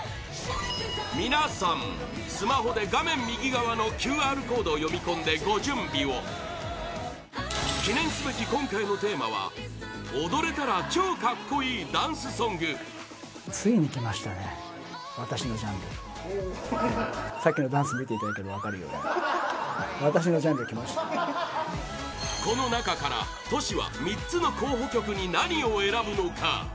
皆さん、スマホで画面右側のＱＲコードを読み込んでご準備を記念すべき今回のテーマは踊れたら超カッコいいダンスソングこの中からＴｏｓｈｌは３つの候補曲に何を選ぶのか？